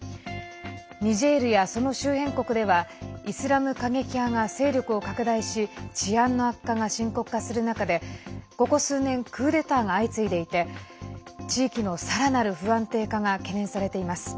ニジェールや、その周辺国ではイスラム過激派が勢力を拡大し治安の悪化が深刻化する中でここ数年クーデターが相次いでいて地域の、さらなる不安定化が懸念されています。